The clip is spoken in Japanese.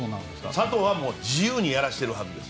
佐藤は自由にやらせているはずです。